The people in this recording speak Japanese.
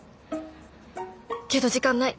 けど時間ない。